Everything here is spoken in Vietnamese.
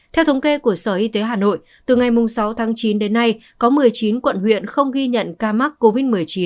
theo thống kê của sở y tế hà nội từ ngày sáu tháng chín đến nay có một mươi chín quận huyện không ghi nhận ca mắc covid một mươi chín